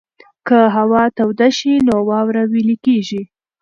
که هوا توده شي نو واوره ویلې کېږي.